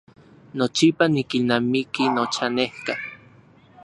Nochipa nikilnamiki nochanejka.